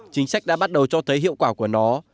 chính sách đã bắt đầu cho thấy hiệu quả của nó